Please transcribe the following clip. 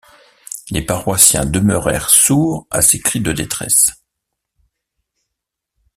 Les paroissiens demeurèrent sourd à ses cris de détresse.